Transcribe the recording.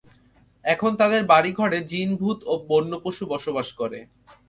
এখন তাদের বাড়িঘরে জিন-ভূত ও বন্য পশু বসবাস করে।